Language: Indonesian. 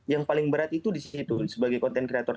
yang paling berat itu disitu sebagai content creator